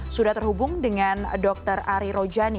sudah terhubung dengan dr ari rojani